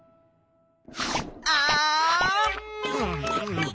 あん！